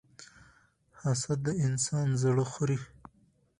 حسد د انسان زړه خوري.